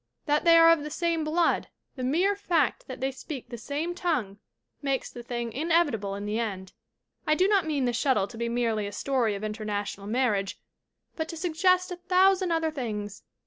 That they are of the same blood the mere fact that they speak the same tongue makes the thing inevitable in the end. "I do not mean The Shuttle to be merely a story of international marriage, but to suggest a thousand other things.